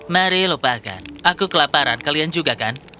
mari lupakan aku kelaparan kalian juga kan